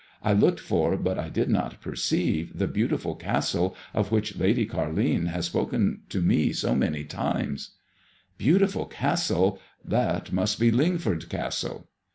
I looked for, but I did not perceive, the beautiful castle of which Lady Carline has spoken to me so many times." Bf autiful castle! That must be Lingford Castle."